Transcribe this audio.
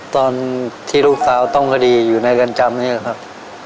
ตอนที่ลูกสาวต้องคดีอยู่ในเรือนจำนี้ครับ